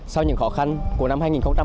sau những khó khăn của năm